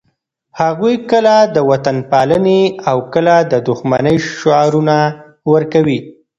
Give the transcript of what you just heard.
هغوی کله د وطنپالنې او کله د دښمنۍ شعارونه ورکوي.